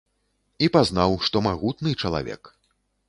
І пазнаў, што магутны чалавек.